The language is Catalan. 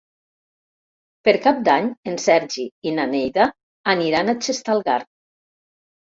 Per Cap d'Any en Sergi i na Neida aniran a Xestalgar.